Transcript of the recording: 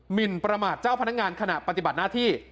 มินประมาทเจ้าพนักงานขณะปฏิบัติหน้าที่